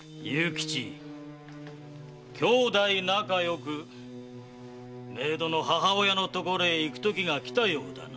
きょうだい仲良く冥土の母親のところへ行くときがきたようだな。